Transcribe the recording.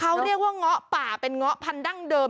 เขาเรียกว่าเงาะป่าเป็นเงาะพันธั้งเดิม